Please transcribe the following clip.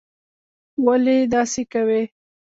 ولي داسې کوې?